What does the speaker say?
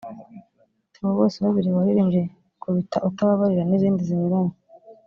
Theo Bosebabireba waririmbye ’Kubita utababarira’ n’izindi zinyuranye